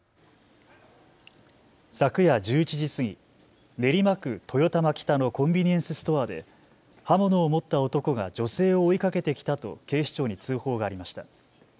昨夜１１時過ぎ、練馬区豊玉北のコンビニエンスストアで刃物を持った男が女性を追いかけてきたと警視庁に通報がありました。